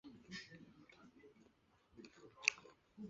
拉温纳总管府并不统辖东罗马帝国在意大利的所有领土。